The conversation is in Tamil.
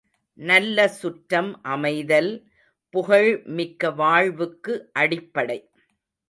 நல்ல சுற்றம் அமைதல், புகழ் மிக்க வாழ்வுக்கு அடிப்படை.